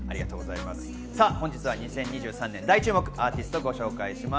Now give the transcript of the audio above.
本日は２０２３年、大注目アーティストをご紹介します。